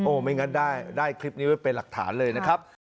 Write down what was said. โอ้ไม่งั้นได้ได้คลิปนี้เป็นหลักฐานเลยนะครับ